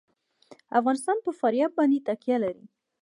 افغانستان په فاریاب باندې تکیه لري.